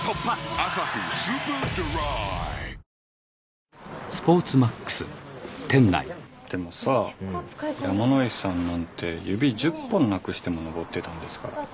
「アサヒスーパードライ」でもさ山野井さんなんて指１０本なくしても登ってたんですから。